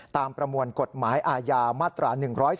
ประมวลกฎหมายอาญามาตรา๑๔